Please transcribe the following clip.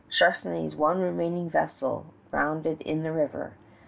Charnisay's one remaining vessel grounded in the river.